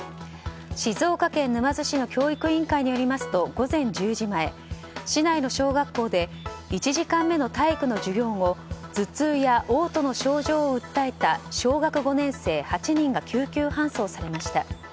静岡県沼津市の教育委員会によりますと午前１０時前、市内の小学校で１時間目の体育の授業後頭痛や嘔吐の症状を訴えた小学５年生８人が救急搬送されました。